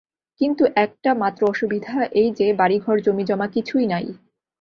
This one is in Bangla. কিন্তু একটি মাত্র অসুবিধা এই যে, বাড়িঘর জমিজমা কিছুই নাই।